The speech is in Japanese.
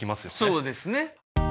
そうですね。